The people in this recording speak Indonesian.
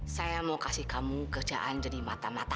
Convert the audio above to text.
saya mau kasih kamu kerjaan jadi mata mata